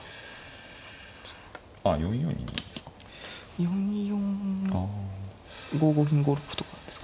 ４四５五銀５六歩とかですか。